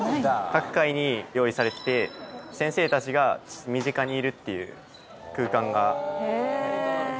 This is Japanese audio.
各階に用意されてて先生たちが身近にいるっていう空間が。